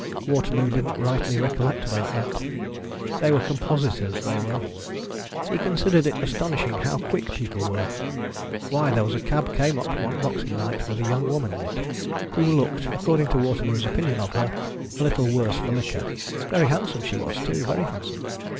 Waterloo didn't rightly recollect about that. They were compositors, they were. He considered it astonishing how quick people were ! Why, there was a cab came up one Boxing night, with a young woman in it, who looked, according to Waterloo's opinion of her, a little the worse for liquor ; very handsome she was too — very handsome.